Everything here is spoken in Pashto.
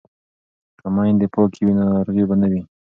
که میندې پاکې وي نو ناروغي به نه وي.